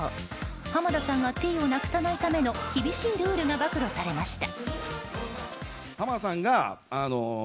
浜田さんがティーをなくさないための厳しいルールが暴露されました。